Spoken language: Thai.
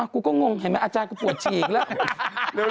กูก็งงเห็นไหมอาจารย์กูปวดฉีกแล้ว